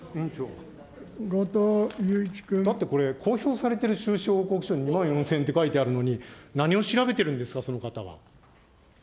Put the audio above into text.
だってこれ、公表されてる収支報告書に２万４０００円って書いてあるのに、何を調べてるんですか、その方は。